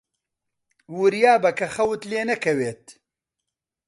وریابە کە خەوت لێ نەکەوێت.